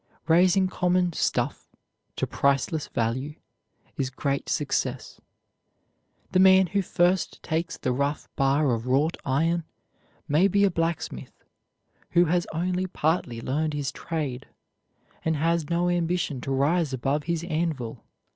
Raising common "stuff" to priceless value is great success. The man who first takes the rough bar of wrought iron may be a blacksmith, who has only partly learned his trade, and has no ambition to rise above his anvil.